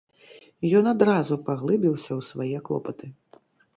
Ён адразу паглыбіўся ў свае клопаты.